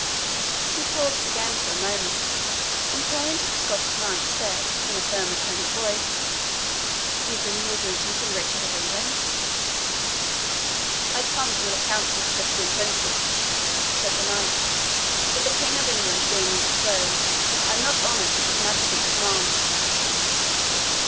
He paused again for a moment, and turning to the Scottish knight, said, in a firmer tone of voice, "You bring me a greeting from Richard of England?" "I come from the Council of Christian Princes," said the knight; "but the King of England being indisposed, I am not honoured with his Majesty's commands."